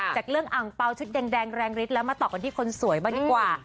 จากเรื่องอังเปล่าชุดแดงแรงฤทธิแล้วมาต่อกันที่คนสวยบ้างดีกว่า